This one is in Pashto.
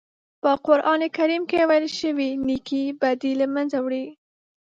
په قرآن کریم کې ویل شوي نېکۍ بدۍ له منځه وړي.